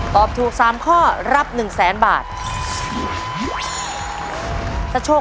ตอบถูก๓ข้อรับ๑๐๐๐๐๐บาท